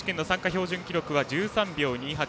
標準記録は１３秒２８。